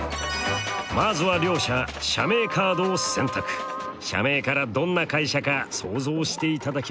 まずは両者社名からどんな会社か想像していただきます。